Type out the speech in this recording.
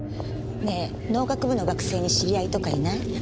ねえ農学部の学生に知り合いとかいない？